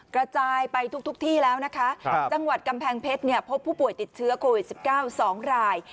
กระจายไปทุกที่แล้วนะคะจังหวัดกำแพงเพชรพบผู้ป่วยติดเชื้อโควิด๑๙๒ราย